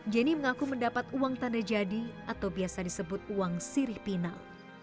jenny mengaku mendapat uang tanda jadi atau biasa disebut uang sirih pinang